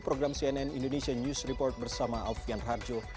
program cnn indonesia news report bersama alfian harjo